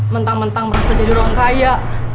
mentang mentang merasa jadi orang kaya